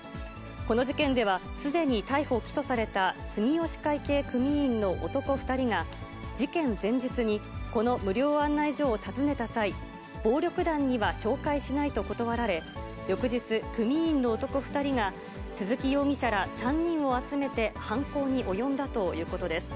この事件では、すでに逮捕・起訴された住吉会系組員の男２人が、事件前日に、この無料案内所を訪ねた際、暴力団には紹介しないと断られ、翌日、組員の男２人が、鈴木容疑者ら３人を集めて犯行に及んだということです。